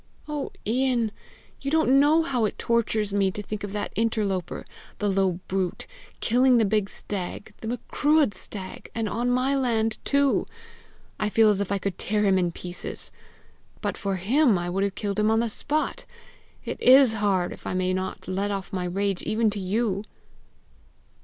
"Oh, Ian! you don't know how it tortures me to think of that interloper, the low brute, killing the big stag, the Macruadh stag and on my land too! I feel as if I could tear him in pieces. But for him I would have killed him on the spot! It is hard if I may not let off my rage even to you!"